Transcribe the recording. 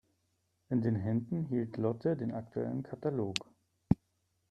In ihren Händen hielt Lotte den aktuellen Katalog.